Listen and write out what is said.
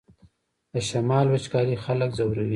د شمال وچکالي خلک ځوروي